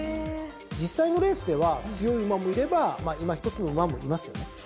実際のレースでは強い馬もいればいまひとつの馬もいますよね。